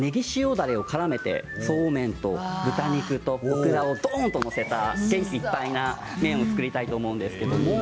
だれをからめてそうめんと豚肉とオクラをどんと載せた元気いっぱいな麺を作りたいと思います。